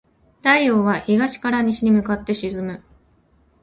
太陽は東から西に向かって沈む。